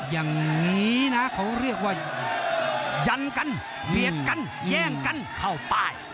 อย่างนี้นะเขาเรียกว่ายันกันเบียดกันแย่งกันเข้าป้าย